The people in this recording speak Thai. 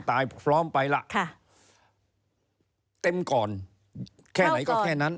เต็มก่อนแค่ไหนก็แค่นั้น